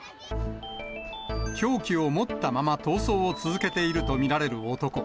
凶器を持ったまま逃走を続けていると見られる男。